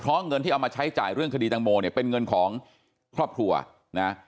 เพราะเงินที่เอามาใช้จ่ายเรื่องคดีตังโมเนี่ยเป็นเงินของครอบครัวนะ